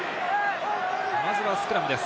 まずはスクラムです。